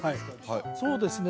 はいそうですね